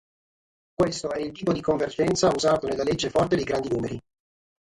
Questo è il tipo di convergenza usato nella legge forte dei grandi numeri.